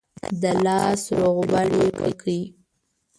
د لاس روغبړ یې وکړ.